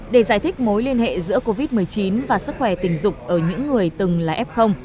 để giải thích mối liên hệ giữa covid một mươi chín và sức khỏe tình dục ở những người từng là f